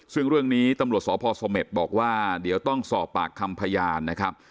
ซึ่งเรื่องนี้ตำรวจสพสเมษบอกว่าเดี๋ยวต้องสอบปากคำพยานนะครับ